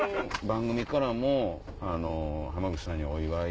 番組からも濱口さんにお祝い。